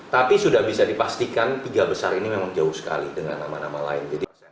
tapi sudah bisa dipastikan tiga besar ini memang jauh sekali dengan nama nama lain